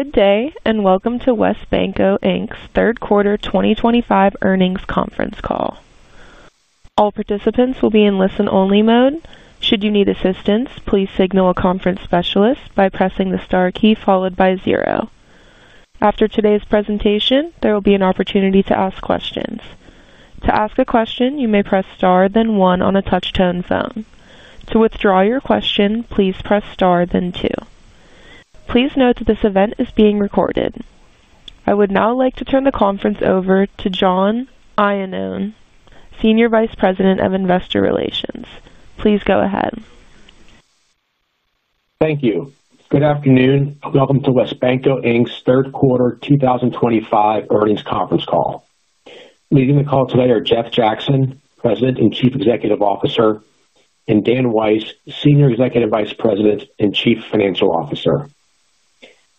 Good day and welcome to WesBanco Inc.'s third quarter 2025 earnings conference call. All participants will be in listen-only mode. Should you need assistance, please signal a conference specialist by pressing the star key followed by zero. After today's presentation, there will be an opportunity to ask questions. To ask a question, you may press star, then one on a touch-tone phone. To withdraw your question, please press star, then two. Please note that this event is being recorded. I would now like to turn the conference over to John Iannone, Senior Vice President of Investor Relations. Please go ahead. Thank you. Good afternoon. Welcome to WesBanco Inc.'s third quarter 2025 earnings conference call. Leading the call today are Jeff Jackson, President and Chief Executive Officer, and Daniel Weiss, Senior Executive Vice President and Chief Financial Officer.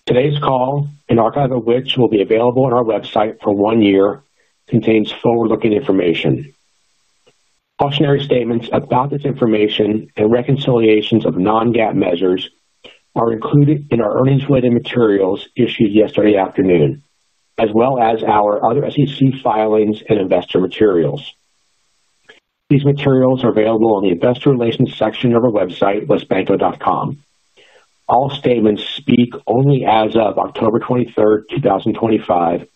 Today's call, an archive of which will be available on our website for one year, contains forward-looking information. Cautionary statements about this information and reconciliations of non-GAAP measures are included in our earnings-related materials issued yesterday afternoon, as well as our other SEC filings and investor materials. These materials are available on the Investor Relations section of our website, wesbanco.com. All statements speak only as of October 23rfd, 2025,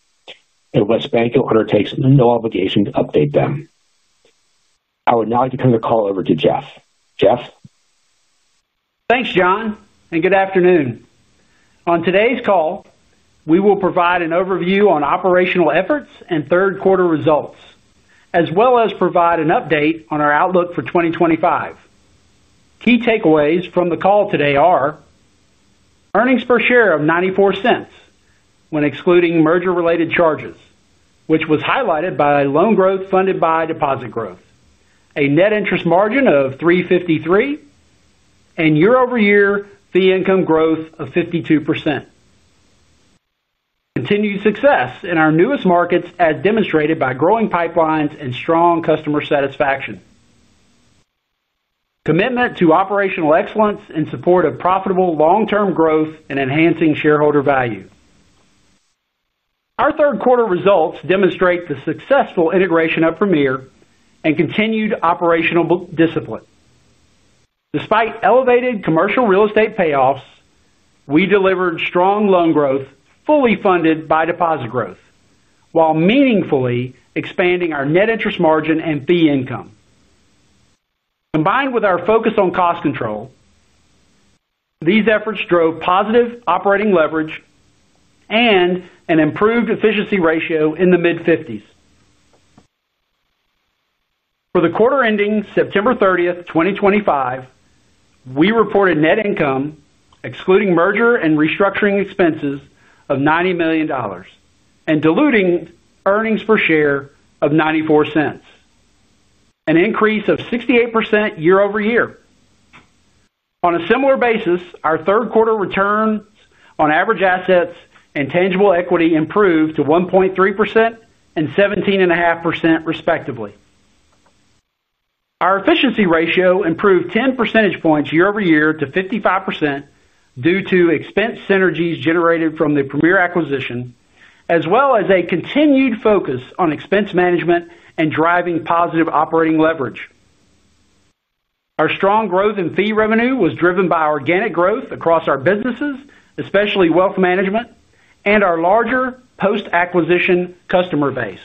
and WesBanco undertakes no obligation to update them. I would now like to turn the call over to Jeff. Jeff? Thanks, John, and good afternoon. On today's call, we will provide an overview on operational efforts and third-quarter results, as well as provide an update on our outlook for 2025. Key takeaways from the call today are earnings per share of $0.94 when excluding merger-related charges, which was highlighted by loan growth funded by deposit growth, a net interest margin of 3.53%, and year-over-year fee income growth of 52%. Continued success in our newest markets as demonstrated by growing pipelines and strong customer satisfaction. Commitment to operational excellence in support of profitable long-term growth and enhancing shareholder value. Our third-quarter results demonstrate the successful integration of Premier, and continued operational discipline. Despite elevated commercial real estate payoffs, we delivered strong loan growth fully funded by deposit growth, while meaningfully expanding our net interest margin and fee income. Combined with our focus on cost control, these efforts drove positive operating leverage and an improved efficiency ratio in the mid-50% range. For the quarter ending September 30th, 2025, we reported net income, excluding merger and restructuring expenses, of $90 million and diluted earnings per share of $0.94, an increase of 68% year-over-year. On a similar basis, our third-quarter returns on average assets and tangible equity improved to 1.3% and 17.5%, respectively. Our efficiency ratio improved 10 percentage points year-over-year to 55% due to expense synergies generated from the Premier acquisition, as well as a continued focus on expense management and driving positive operating leverage. Our strong growth in fee revenue was driven by organic growth across our businesses, especially wealth management, and our larger post-acquisition customer base.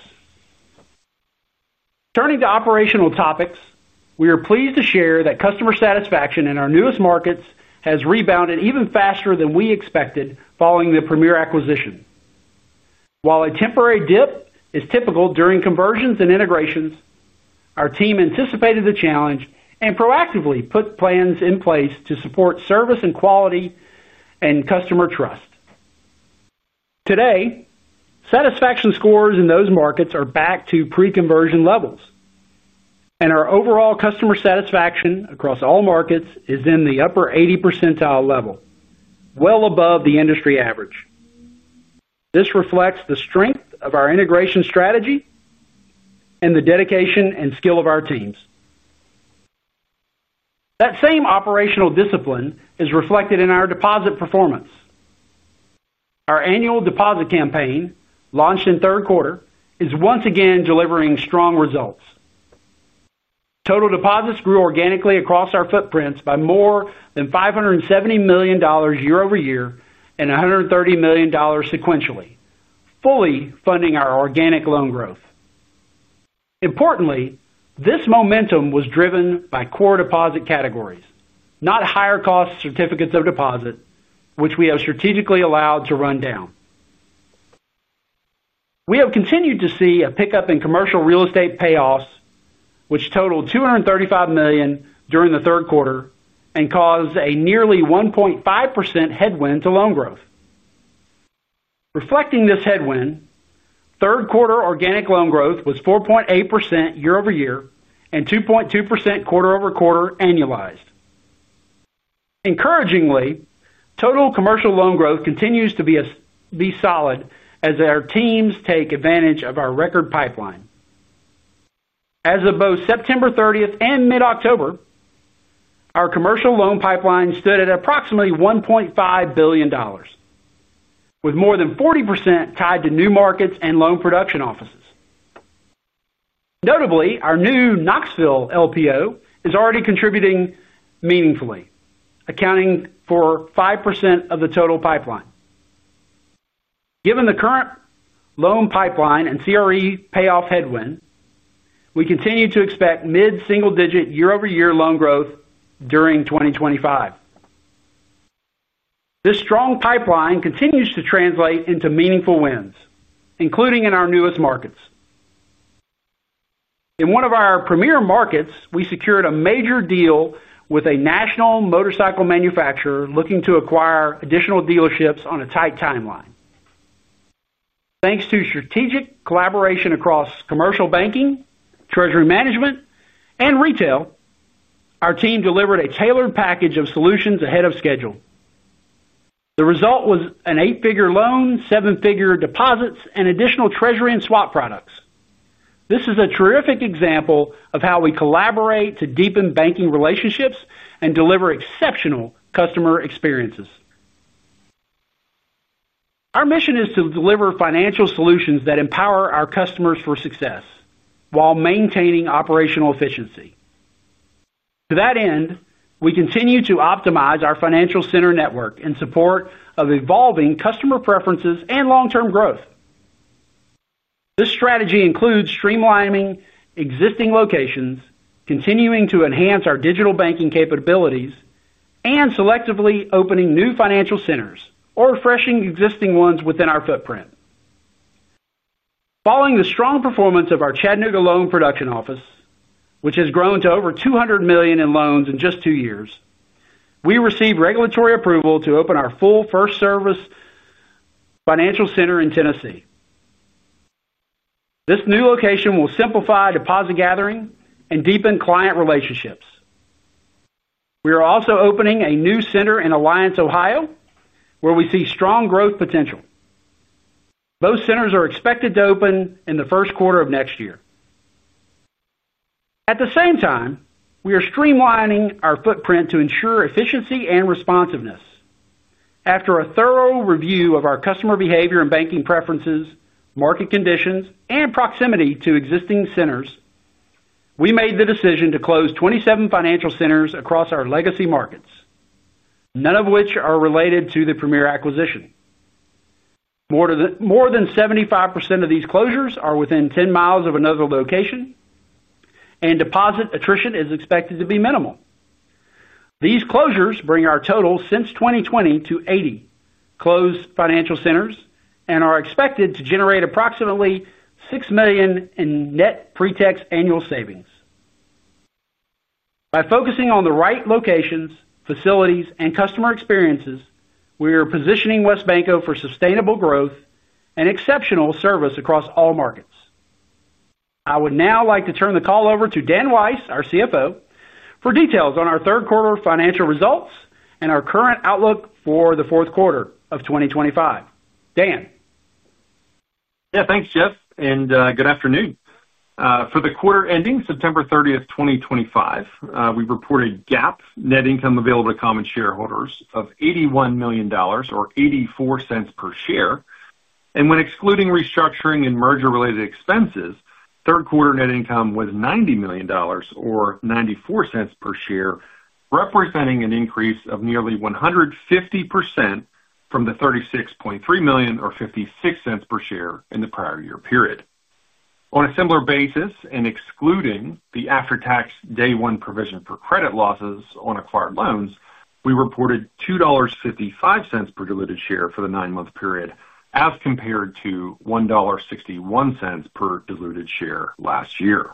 Turning to operational topics, we are pleased to share that customer satisfaction in our newest markets has rebounded even faster than we expected following the Premier acquisition. While a temporary dip is typical during conversions and integrations, our team anticipated the challenge and proactively put plans in place to support service and quality and customer trust. Today, satisfaction scores in those markets are back to pre-conversion levels, and our overall customer satisfaction across all markets is in the upper 80% percentile level, well above the industry average. This reflects the strength of our integration strategy and the dedication and skill of our teams. That same operational discipline is reflected in our deposit performance. Our annual deposit campaign, launched in the third quarter, is once again delivering strong results. Total deposits grew organically across our footprint by more than $570 million year-over-year and $130 million sequentially, fully funding our organic loan growth. Importantly, this momentum was driven by core deposit categories, not higher-cost certificates of deposit, which we have strategically allowed to run down. We have continued to see a pickup in commercial real estate payoffs, which totaled $235 million during the third quarter and caused a nearly 1.5% headwind to loan growth. Reflecting this headwind, third-quarter organic loan growth was 4.8% year-over-year and 2.2% quarter-over-quarter annualized. Encouragingly, total commercial loan growth continues to be solid as our teams take advantage of our record pipeline. As of both September 30th, and mid-October, our commercial loan pipeline stood at approximately $1.5 billion, with more than 40% tied to new markets and loan production offices. Notably, our new Knoxville LPO is already contributing meaningfully, accounting for 5% of the total pipeline. Given the current loan pipeline and CRE payoff headwind, we continue to expect mid-single-digit year-over-year loan growth during 2025. This strong pipeline continues to translate into meaningful wins, including in our newest markets. In one of our premier markets, we secured a major deal with a national motorcycle manufacturer looking to acquire additional dealerships on a tight timeline. Thanks to strategic collaboration across commercial banking, treasury management, and retail, our team delivered a tailored package of solutions ahead of schedule. The result was an eight-figure loan, seven-figure deposits, and additional treasury and swap products. This is a terrific example of how we collaborate to deepen banking relationships and deliver exceptional customer experiences. Our mission is to deliver financial solutions that empower our customers for success while maintaining operational efficiency. To that end, we continue to optimize our financial center network in support of evolving customer preferences and long-term growth. This strategy includes streamlining existing locations, continuing to enhance our digital banking capabilities, and selectively opening new financial centers or refreshing existing ones within our footprint. Following the strong performance of our Chattanooga loan production office, which has grown to over $200 million in loans in just two years, we received regulatory approval to open our first full-service financial center in Tennessee. This new location will simplify deposit gathering and deepen client relationships. We are also opening a new center in Alliance, Ohio, where we see strong growth potential. Both centers are expected to open in the first quarter of next year. At the same time, we are streamlining our footprint to ensure efficiency and responsiveness. After a thorough review of our customer behavior and banking preferences, market conditions, and proximity to existing centers, we made the decision to close 27 financial centers across our legacy markets, none of which are related to the Premier acquisition. More than 75% of these closures are within 10 miles of another location, and deposit attrition is expected to be minimal. These closures bring our total since 2020 to 80 closed financial centers and are expected to generate approximately $6 million in net pre-tax annual savings. By focusing on the right locations, facilities, and customer experiences, we are positioning WesBanco for sustainable growth and exceptional service across all markets. I would now like to turn the call over to Dan Weiss, our CFO, for details on our third-quarter financial results and our current outlook for the fourth quarter of 2025. Dan. Yeah, thanks, Jeff, and good afternoon. For the quarter ending September 30th, 2025, we reported GAAP net income available to common shareholders of $81 million or $0.84 per share. When excluding restructuring and merger-related expenses, third-quarter net income was $90 million or $0.94 per share, representing an increase of nearly 150% from the $36.3 million or $0.56 per share in the prior year period. On a similar basis, and excluding the after-tax day-one provision for credit losses on acquired loans, we reported $2.55 per diluted share for the nine-month period, as compared to $1.61 per diluted share last year.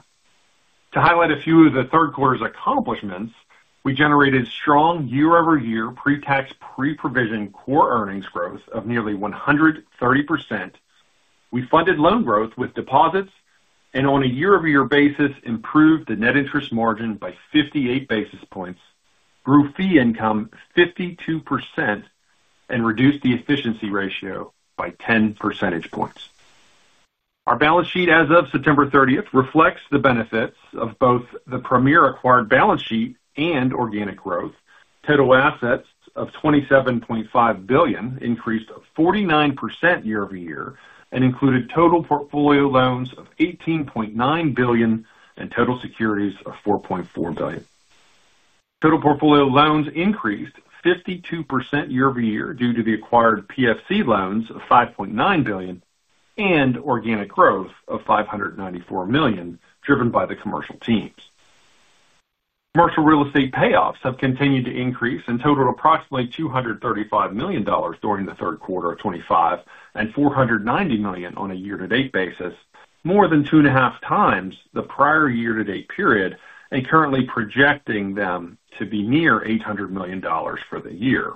To highlight a few of the third quarter's accomplishments, we generated strong year-over-year pre-tax pre-provision core earnings growth of nearly 130%. We funded loan growth with deposits and, on a year-over-year basis, improved the net interest margin by 58 basis points, grew fee income 52%, and reduced the efficiency ratio by 10 percentage points. Our balance sheet as of September 30 reflects the benefits of both the Premier acquired balance sheet and organic growth. Total assets of $27.5 billion increased 49% year-over-year and included total portfolio loans of $18.9 billion and total securities of $4.4 billion. Total portfolio loans increased 52% year-over-year due to the acquired PFC loans of $5.9 billion and organic growth of $594 million driven by the commercial teams. Commercial real estate payoffs have continued to increase and totaled approximately $235 million during the third quarter of 2025 and $490 million on a year-to-date basis, more than 2.5x the prior year-to-date period, and we are currently projecting them to be near $800 million for the year.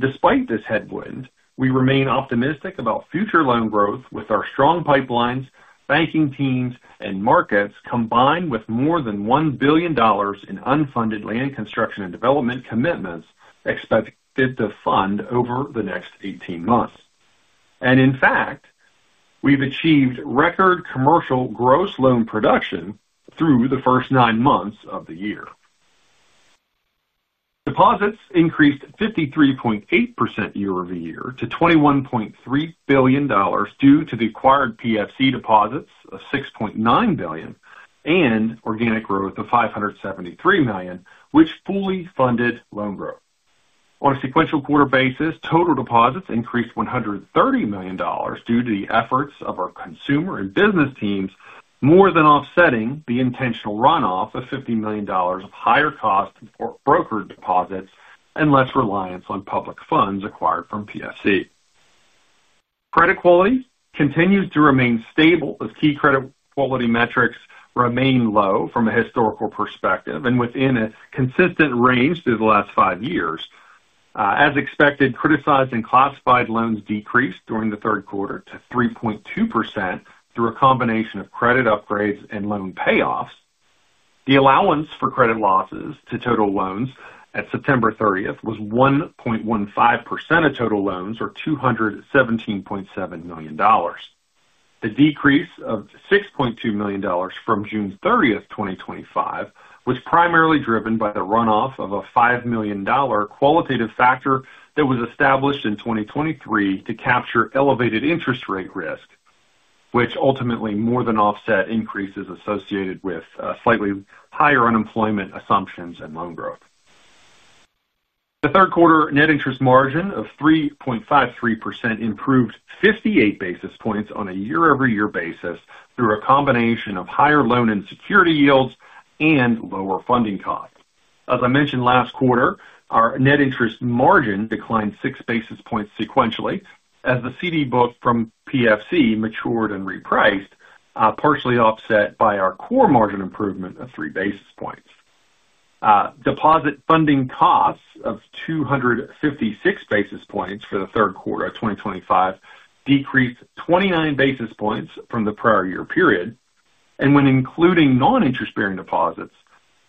Despite this headwind, we remain optimistic about future loan growth with our strong pipelines, banking teams, and markets, combined with more than $1 billion in unfunded land construction and development commitments expected to fund over the next 18 months. In fact, we've achieved record commercial gross loan production through the first nine months of the year. Deposits increased 53.8% year-over-year to $21.3 billion due to the acquired PFC deposits of $6.9 billion and organic growth of $573 million, which fully funded loan growth. On a sequential quarter basis, total deposits increased $130 million due to the efforts of our consumer and business teams, more than offsetting the intentional runoff of $50 million of higher cost broker deposits and less reliance on public funds acquired from PFC. Credit quality continues to remain stable as key credit quality metrics remain low from a historical perspective and within a consistent range through the last five years. As expected, criticized and classified loans decreased during the third quarter to 3.2% through a combination of credit upgrades and loan payoffs. The allowance for credit losses to total loans at September 30th was 1.15% of total loans or $217.7 million. The decrease of $6.2 million from June 30th, 2025, was primarily driven by the runoff of a $5 million qualitative factor that was established in 2023 to capture elevated interest rate risk, which ultimately more than offset increases associated with slightly higher unemployment assumptions and loan growth. The third quarter net interest margin of 3.53% improved 58 basis points on a year-over-year basis through a combination of higher loan and security yields and lower funding costs. As I mentioned last quarter, our net interest margin declined six basis points sequentially as the CD book from PFC matured and repriced, partially offset by our core margin improvement of three basis points. Deposit funding costs of 256 basis points for the third quarter of 2025 decreased 29 basis points from the prior year period. When including non-interest-bearing deposits,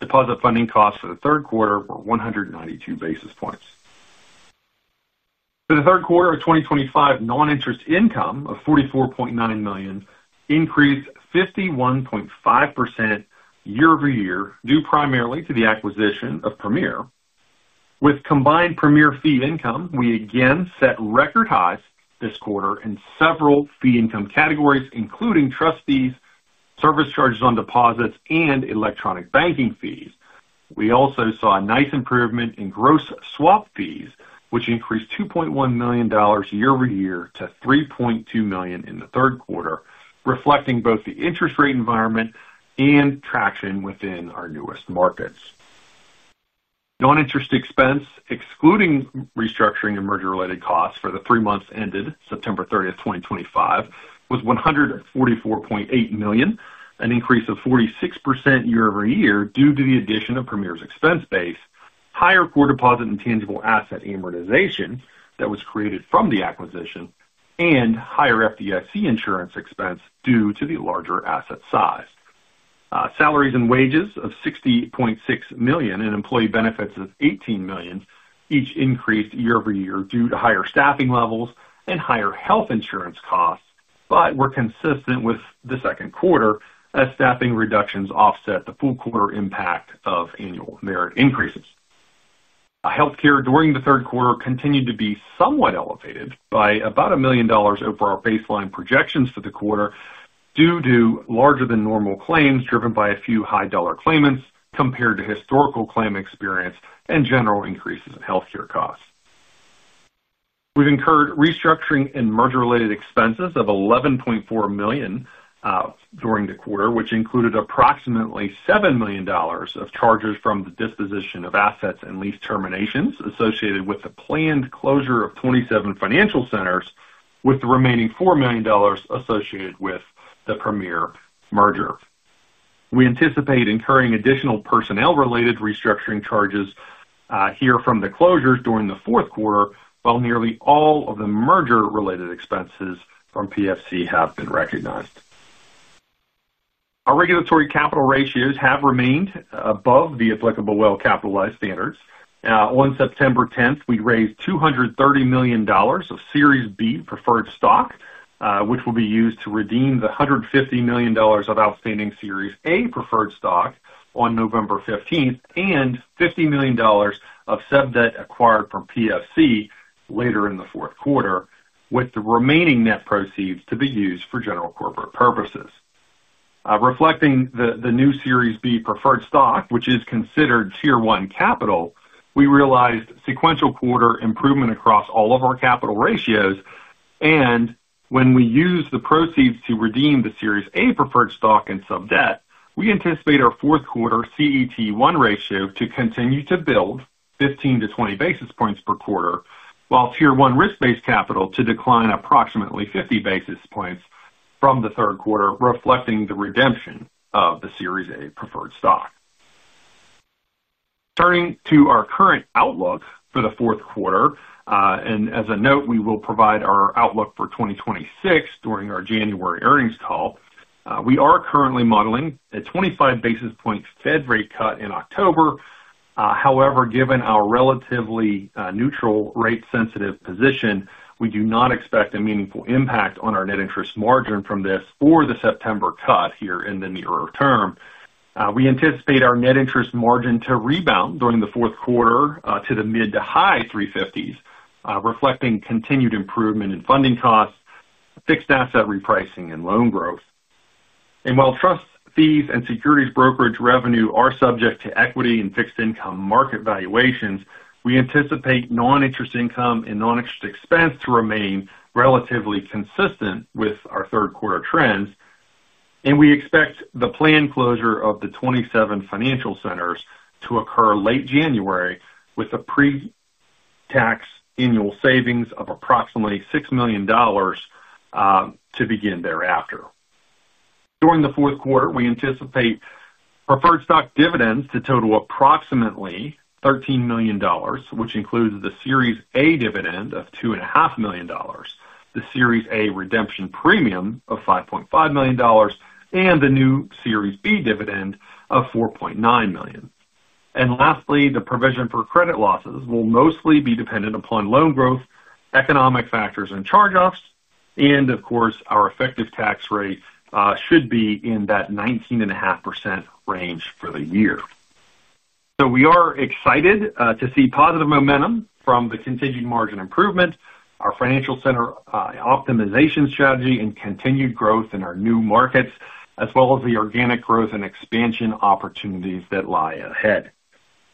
deposit funding costs for the third quarter were 192 basis points. For the third quarter of 2025, non-interest income of $44.9 million increased 51.5% year-over-year due primarily to the acquisition of Premier. With combined Premier fee income, we again set record highs this quarter in several fee income categories, including trust services, service charges on deposits, and electronic banking fees. We also saw a nice improvement in gross swap fees, which increased $2.1 million year-over-year to $3.2 million in the third quarter, reflecting both the interest rate environment and traction within our newest markets. Non-interest expense, excluding restructuring and merger-related costs for the three months ended September 30, 2025, was $144.8 million, an increase of 46% year-over-year due to the addition of Premier's expense base, higher core deposit and tangible asset amortization that was created from the acquisition, and higher FDIC insurance expense due to the larger asset size. Salaries and wages of $60.6 million and employee benefits of $18 million each increased year-over-year due to higher staffing levels and higher health insurance costs, but were consistent with the second quarter as staffing reductions offset the full quarter impact of annual merit increases. Healthcare during the third quarter continued to be somewhat elevated by about $1 million over our baseline projections for the quarter due to larger-than-normal claims driven by a few high-dollar claimants compared to historical claim experience and general increases in healthcare costs. We've incurred restructuring and merger-related expenses of $11.4 million during the quarter, which included approximately $7 million of charges from the disposition of assets and lease terminations associated with the planned closure of 27 financial centers, with the remaining $4 million associated with the Premier merger. We anticipate incurring additional personnel-related restructuring charges here from the closures during the fourth quarter, while nearly all of the merger-related expenses from PFC have been recognized. Our regulatory capital ratios have remained above the applicable well-capitalized standards. On September 10, we raised $230 million of Series B preferred stock, which will be used to redeem the $150 million of outstanding Series A preferred stock on November 15th, and $50 million of subordinated debt acquired from PFC, later in the fourth quarter, with the remaining net proceeds to be used for general corporate purposes. Reflecting the new Series B preferred stock, which is considered Tier 1 capital, we realized sequential quarter improvement across all of our capital ratios. When we use the proceeds to redeem the Series A preferred stock and subordinated debt, we anticipate our fourth quarter CET1 ratio to continue to build 15-20 basis points per quarter, while Tier 1 risk-based capital is expected to decline approximately 50 basis points from the third quarter, reflecting the redemption of the Series A preferred stock. Turning to our current outlook for the fourth quarter, and as a note, we will provide our outlook for 2026 during our January earnings call. We are currently modeling a 25 basis point Fed rate cut in October. However, given our relatively neutral rate-sensitive position, we do not expect a meaningful impact on our net interest margin from this or the September cut in the nearer term. We anticipate our net interest margin to rebound during the fourth quarter to the mid to high 350s, reflecting continued improvement in funding costs, fixed asset repricing, and loan growth. While trust fees and securities brokerage revenue are subject to equity and fixed income market valuations, we anticipate non-interest income and non-interest expense to remain relatively consistent with our third-quarter trends. We expect the planned closure of the 27 financial centers to occur late January, with a pre-tax annual savings of approximately $6 million to begin thereafter. During the fourth quarter, we anticipate preferred stock dividends to total approximately $13 million, which includes the Series A dividend of $2.5 million, the Series A redemption premium of $5.5 million, and the new Series B dividend of $4.9 million. Lastly, the provision for credit losses will mostly be dependent upon loan growth, economic factors, and charge-offs. Our effective tax rate should be in that 19.5% range for the year. We are excited to see positive momentum from the continued margin improvement, our financial center optimization strategy, and continued growth in our new markets, as well as the organic growth and expansion opportunities that lie ahead.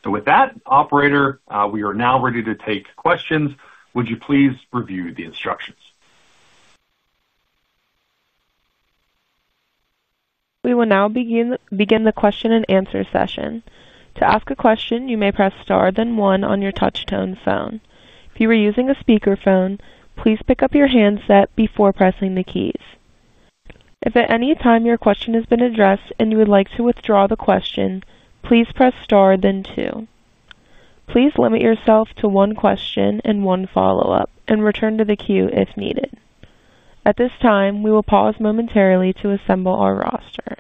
With that, operator, we are now ready to take questions. Would you please review the instructions? We will now begin the question-and-answer session. To ask a question, you may press star, then one on your touch-tone phone. If you are using a speakerphone, please pick up your handset before pressing the keys. If at any time your question has been addressed and you would like to withdraw the question, please press star, then two. Please limit yourself to one question and one follow-up and return to the queue if needed. At this time, we will pause momentarily to assemble our roster.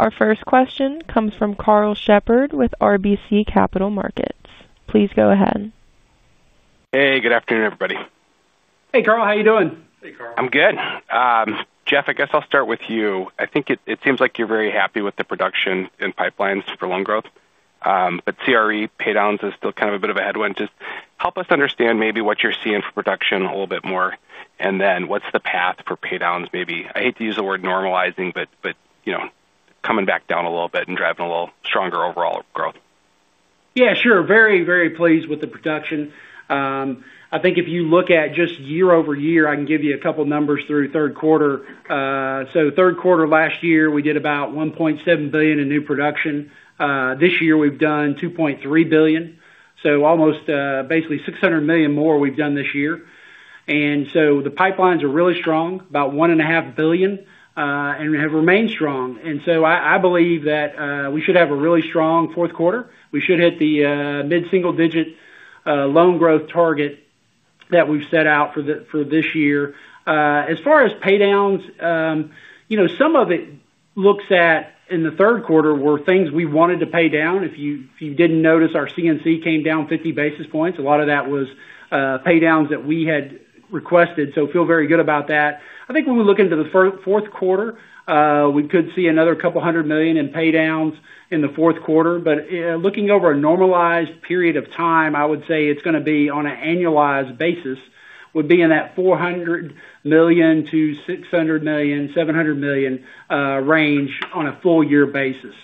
Our first question comes from Karl Shepard with RBC Capital Markets. Please go ahead. Hey, good afternoon, everybody. Hey, Karl. How are you doing? Hey, Karl. I'm good. Jeff, I guess I'll start with you. I think it seems like you're very happy with the production and pipelines for loan growth, but CRE paydowns is still kind of a bit of a headwind. Just help us understand maybe what you're seeing for production a little bit more, and then what's the path for paydowns? Maybe I hate to use the word normalizing, but you know, coming back down a little bit and driving a little stronger overall growth. Yeah, sure. Very, very pleased with the production. I think if you look at just year over year, I can give you a couple of numbers through third quarter. Third quarter last year, we did about $1.7 billion in new production. This year we've done $2.3 billion, so almost basically $600 million more we've done this year. The pipelines are really strong, about $1.5 billion, and have remained strong. I believe that we should have a really strong fourth quarter. We should hit the mid-single-digit loan growth target that we've set out for this year. As far as paydowns, some of it in the third quarter were things we wanted to pay down. If you didn't notice, our CNC came down 50 basis points. A lot of that was paydowns that we had requested, so feel very good about that. I think when we look into the fourth quarter, we could see another couple hundred million in paydowns in the fourth quarter. Looking over a normalized period of time, I would say it's going to be on an annualized basis, would be in that $400 million-$600 million, $700 million range on a full-year basis.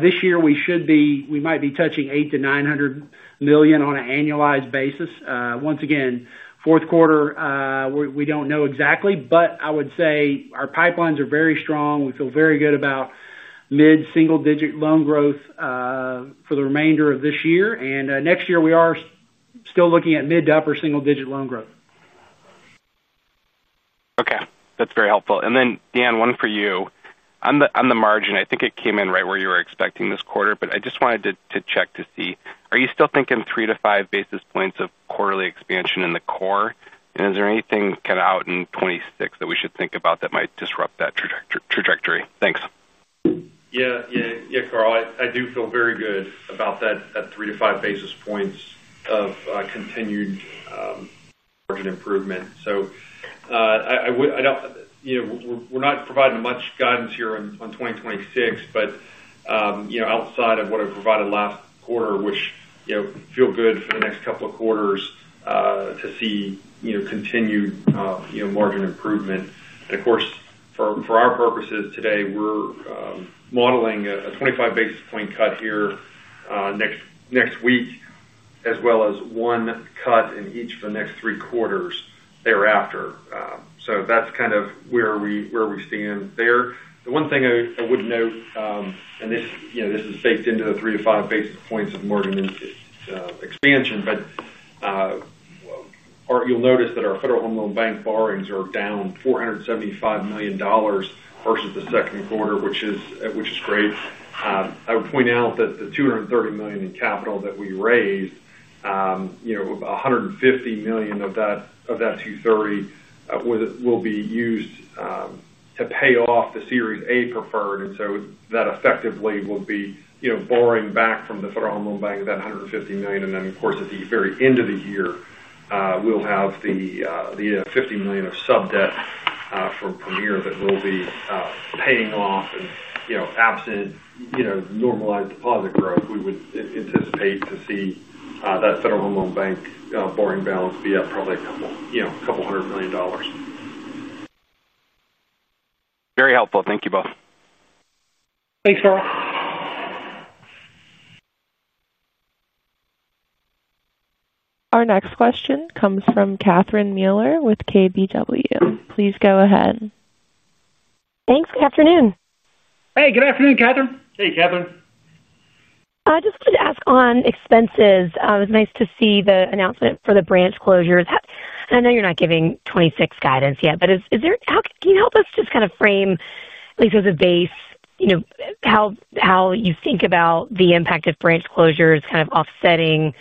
This year we should be, we might be touching $800 million-$900 million on an annualized basis. Once again, fourth quarter, we don't know exactly, but I would say our pipelines are very strong. We feel very good about mid-single-digit loan growth for the remainder of this year. Next year we are still looking at mid to upper single-digit loan growth. Okay, that's very helpful. Dan, one for you. On the margin, I think it came in right where you were expecting this quarter, but I just wanted to check to see, are you still thinking three to five basis points of quarterly expansion in the core? Is there anything kind of out in 2026 that we should think about that might disrupt that trajectory? Thanks. Yeah, Karl. I do feel very good about that three to five basis points of continued margin improvement. I don't, you know, we're not providing much guidance here on 2026, but, you know, outside of what I provided last quarter, which, you know, feel good for the next couple of quarters, to see, you know, continued, you know, margin improvement. For our purposes today, we're modeling a 25 basis point cut here next week, as well as one cut in each for the next three quarters thereafter. That's kind of where we stand there. The one thing I would note, and this is baked into the three to five basis points of margin expansion, you'll notice that our Federal Home Loan Bank borrowings are down $475 million versus the second quarter, which is great. I would point out that the $230 million in capital that we raised, $150 million of that $230 million will be used to pay off the Series A preferred. That effectively will be borrowing back from the Federal Home Loan Bank that $150 million. At the very end of the year, we'll have the $50 million of sub debt from Premier that we'll be paying off. Absent normalized deposit growth, we would anticipate to see that Federal Home Loan Bank borrowing balance be up probably a couple $100 million. Very helpful. Thank you both. Thanks, Karl. Our next question comes from Catherine Mealor with KBW. Please go ahead. Thanks. Good afternoon. Hey, good afternoon, Catherine. Hey, Catherine. I just wanted to ask on expenses. It was nice to see the announcement for the branch closures. I know you're not giving 2026 guidance yet, but is there, how can you help us just kind of frame, at least as a base, how you think about the impact of branch closures offsetting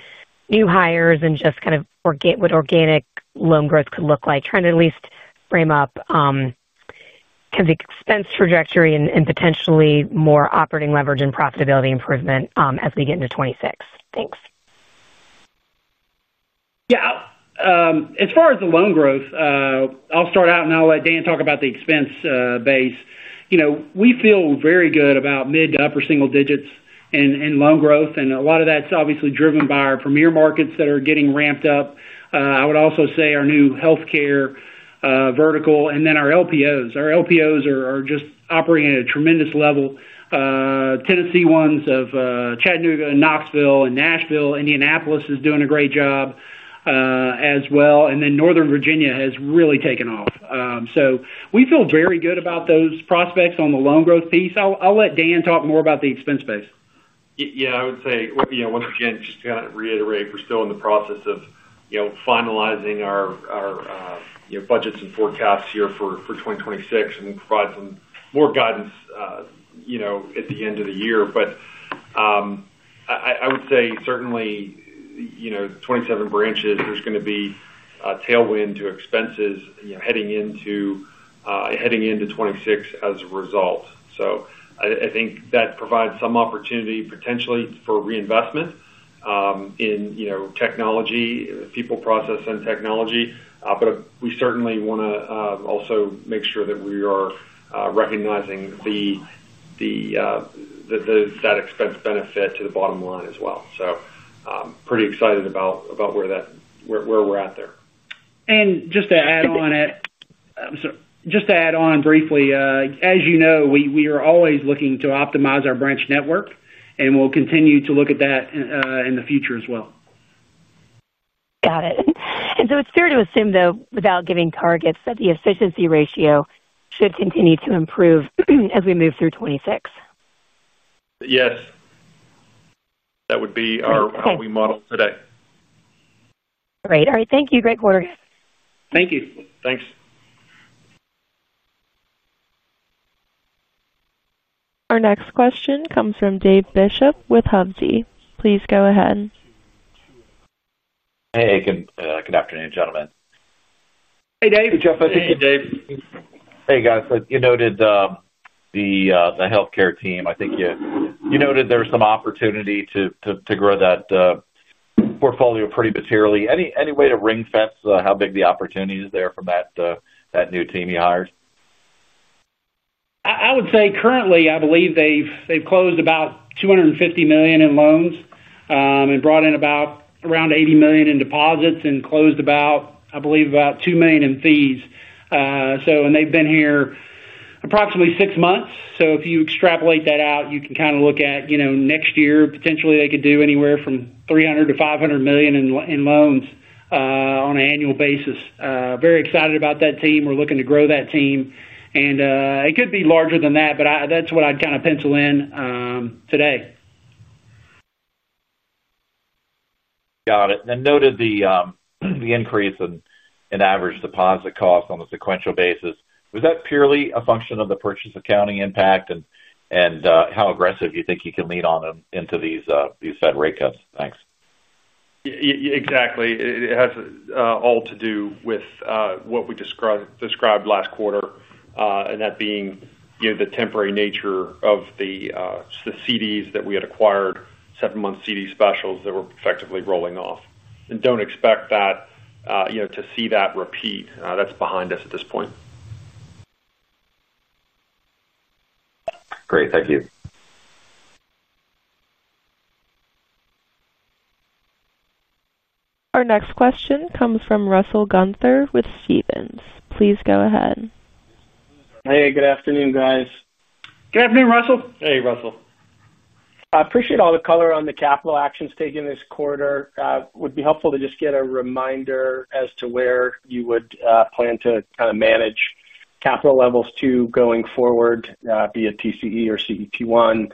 new hires and just what organic loan growth could look like? Trying to at least frame up the expense trajectory and potentially more operating leverage and profitability improvement as we get into 2026. Thanks. Yeah. As far as the loan growth, I'll start out and I'll let Dan talk about the expense base. You know, we feel very good about mid to upper single digits in loan growth. A lot of that's obviously driven by our Premier markets that are getting ramped up. I would also say our new healthcare vertical and then our LPOs. Our LPOs are just operating at a tremendous level. Tennessee ones of Chattanooga and Knoxville and Nashville. Indianapolis is doing a great job as well. Northern Virginia has really taken off. We feel very good about those prospects on the loan growth piece. I'll let Dan talk more about the expense base. Yeah, I would say, you know, once again, just to kind of reiterate, we're still in the process of finalizing our budgets and forecasts here for 2026 and provide some more guidance at the end of the year. I would say certainly, you know, 27 branches, there's going to be a tailwind to expenses heading into 2026 as a result. I think that provides some opportunity potentially for reinvestment in technology, people, process, and technology. We certainly want to also make sure that we are recognizing that expense benefit to the bottom line as well. Pretty excited about where we're at there. Just to add on briefly, as you know, we are always looking to optimize our branch network, and we'll continue to look at that in the future as well. Got it. It's fair to assume, though, without giving targets, that the efficiency ratio should continue to improve as we move through 2026? Yes, that would be how we model today. Great. All right. Thank you. Great quarter. Thank you. Thanks. Our next question comes from David Bishop with Hovde. Please go ahead. Hey, good afternoon, gentlemen. Hey, Dave. Hey, Jeff. I think you're Dave. Hey, guys. You noted the healthcare team. I think you noted there was some opportunity to grow that portfolio pretty materially. Any way to ring-fence how big the opportunity is there from that new team you hired? I would say currently, I believe they've closed about $250 million in loans, and brought in around $80 million in deposits and closed about, I believe, about $2 million in fees. They've been here approximately six months. If you extrapolate that out, you can kind of look at next year, potentially they could do anywhere from $300 million-$500 million in loans on an annual basis. Very excited about that team. We're looking to grow that team, and it could be larger than that, but that's what I'd kind of pencil in today. Got it. I noted the increase in average deposit costs on a sequential basis. Was that purely a function of the purchase accounting impact, and how aggressive you think you can lead on them into these Fed rate cuts? Thanks. Yeah, exactly. It has all to do with what we described last quarter, that being the temporary nature of the CDs that we had acquired, seven-month CD specials that were effectively rolling off. Don't expect that to see that repeat. That's behind us at this point. Great. Thank you. Our next question comes from Russell Gunther with Stephens. Please go ahead. Hey, good afternoon, guys. Good afternoon, Russell. Hey, Russell. I appreciate all the color on the capital actions taken this quarter. Would be helpful to just get a reminder as to where you would plan to kind of manage capital levels to going forward, via TCE or CET1.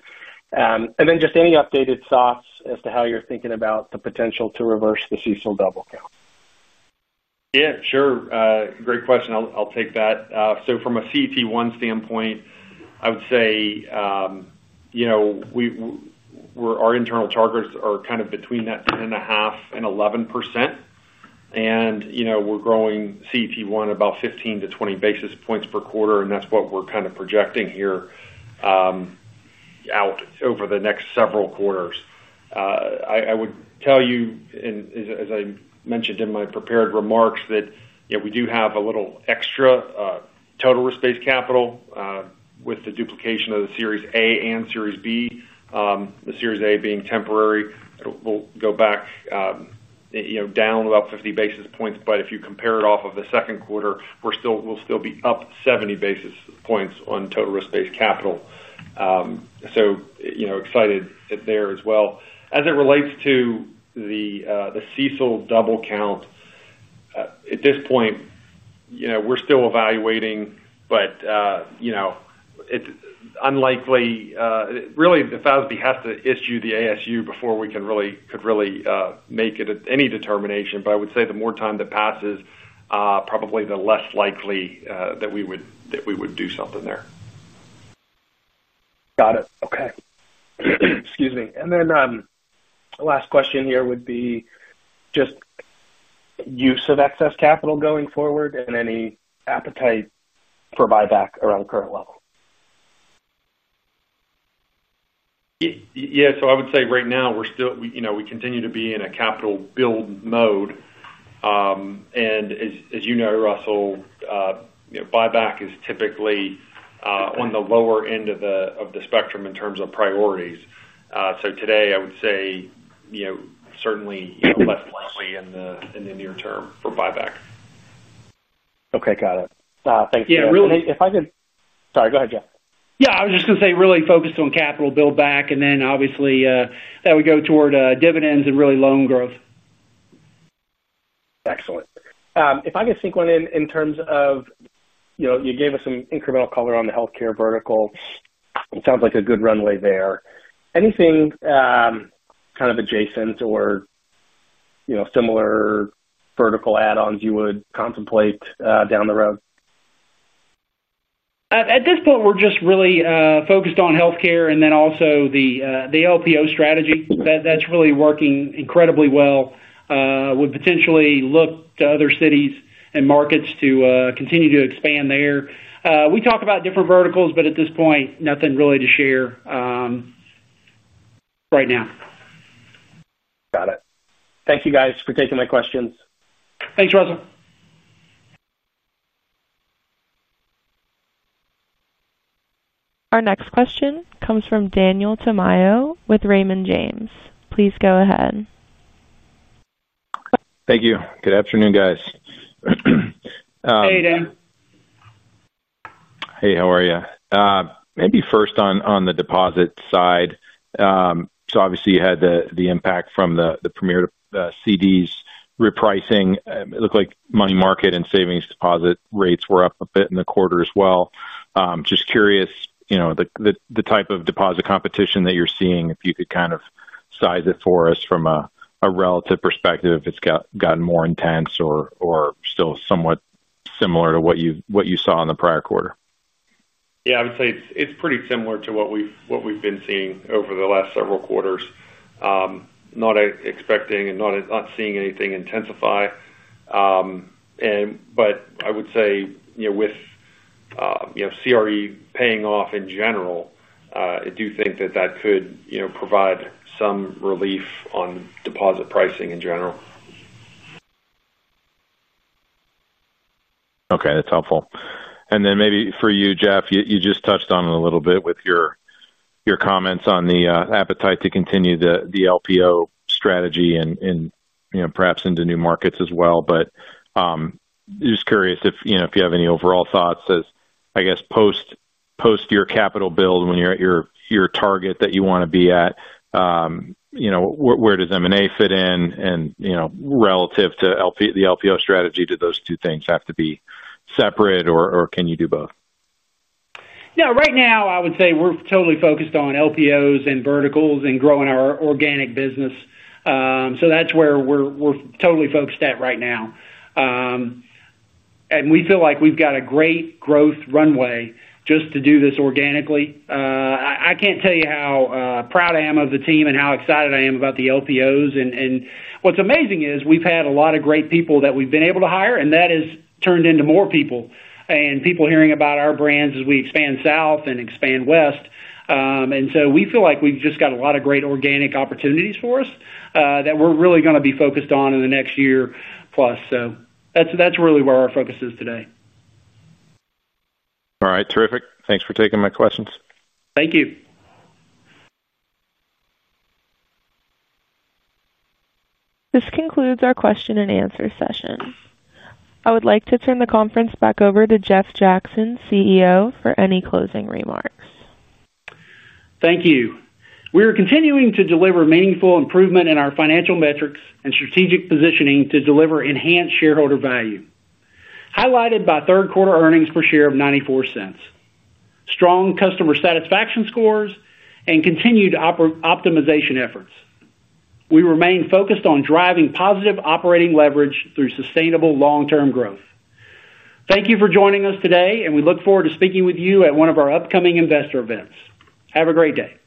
Also, just any updated thoughts as to how you're thinking about the potential to reverse the CECL double count? Yeah, sure. Great question. I'll take that. From a CET1 standpoint, I would say, you know, our internal targets are kind of between that 10.5% and 11%. You know, we're growing CET1 about 15-20 basis points per quarter, and that's what we're kind of projecting here out over the next several quarters. I would tell you, as I mentioned in my prepared remarks, that we do have a little extra total risk-based capital with the duplication of the Series A and Series B, the Series A being temporary. We'll go back down about 50 basis points, but if you compare it off of the second quarter, we'll still be up 70 basis points on total risk-based capital. You know, excited there as well. As it relates to the CECL double count, at this point, we're still evaluating, but it's unlikely. Really, the FASB has to issue the ASU before we could really make any determination. I would say the more time that passes, probably the less likely that we would do something there. Got it. Okay. Excuse me. The last question here would be just use of excess capital going forward and any appetite for buyback around the current level. I would say right now we're still, you know, we continue to be in a capital build mode. As you know, Russell, buyback is typically on the lower end of the spectrum in terms of priorities. Today I would say certainly less likely in the near term for buyback. Okay, got it. Thanks, Dan. Yeah, really. If I could, sorry, go ahead, Jeff. Yeah, I was just going to say really focused on capital buildback, and then obviously, that would go toward dividends and really loan growth. Excellent. If I could sneak one in, in terms of, you know, you gave us some incremental color on the healthcare vertical. It sounds like a good runway there. Anything kind of adjacent or, you know, similar vertical add-ons you would contemplate down the road? At this point, we're just really focused on healthcare and then also the LPO strategy. That's really working incredibly well. Would potentially look to other cities and markets to continue to expand there. We talk about different verticals, but at this point, nothing really to share right now. Got it. Thank you, guys, for taking my questions. Thanks, Russell. Our next question comes from Daniel Tamayo with Raymond James. Please go ahead. Thank you. Good afternoon, guys. Hey, Dan. Hey, how are you? Maybe first on the deposit side. Obviously you had the impact from the premier CDs repricing. It looked like money market and savings deposit rates were up a bit in the quarter as well. Just curious, you know, the type of deposit competition that you're seeing, if you could kind of size it for us from a relative perspective, if it's gotten more intense or still somewhat similar to what you saw in the prior quarter. Yeah, I would say it's pretty similar to what we've been seeing over the last several quarters. Not expecting and not seeing anything intensify. I would say, you know, with CRE paying off in general, I do think that could provide some relief on deposit pricing in general. Okay, that's helpful. Maybe for you, Jeff, you just touched on it a little bit with your comments on the appetite to continue the LPO strategy and perhaps into new markets as well. I'm just curious if you have any overall thoughts as, I guess, post your capital build when you're at your target that you want to be at. You know, where does M&A fit in? You know, relative to the LPO strategy, do those two things have to be separate or can you do both? Right now I would say we're totally focused on LPOs and verticals and growing our organic business. That's where we're totally focused at right now, and we feel like we've got a great growth runway just to do this organically. I can't tell you how proud I am of the team and how excited I am about the LPOs. What's amazing is we've had a lot of great people that we've been able to hire, and that has turned into more people and people hearing about our brands as we expand south and expand west. We feel like we've just got a lot of great organic opportunities for us that we're really going to be focused on in the next year plus. That's really where our focus is today. All right, terrific. Thanks for taking my questions. Thank you. This concludes our question and answer session. I would like to turn the conference back over to Jeff Jackson, President and CEO, for any closing remarks. Thank you. We are continuing to deliver meaningful improvement in our financial metrics and strategic positioning to deliver enhanced shareholder value, highlighted by third-quarter earnings per share of $0.94, strong customer satisfaction scores, and continued optimization efforts. We remain focused on driving positive operating leverage through sustainable long-term growth. Thank you for joining us today, and we look forward to speaking with you at one of our upcoming investor events. Have a great day.